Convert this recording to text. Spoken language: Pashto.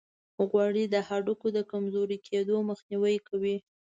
غوړې د هډوکو د کمزوري کیدو مخنیوي کوي.